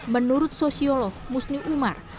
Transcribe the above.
menurut sosiolog musni umar